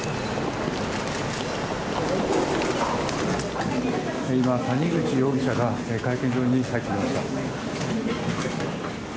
今、谷口容疑者が会見場に入ってきました。